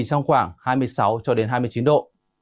trong khoảng hai mươi sáu cho đến hai mươi chín độ